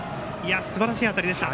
すばらしい当たりでした。